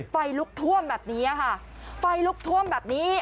ไฟลุกท่วมแบบนี้ค่ะไฟลุกท่วมแบบนี้